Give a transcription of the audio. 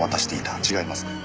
違いますか？